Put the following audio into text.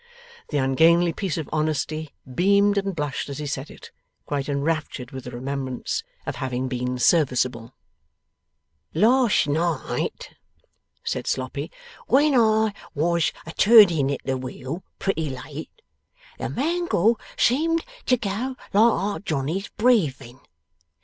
The ungainly piece of honesty beamed and blushed as he said it, quite enraptured with the remembrance of having been serviceable. 'Last night,' said Sloppy, 'when I was a turning at the wheel pretty late, the mangle seemed to go like Our Johnny's breathing.